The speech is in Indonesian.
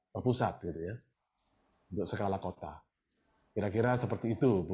terpusat gitu ya untuk segala kota kira kira seperti itu bu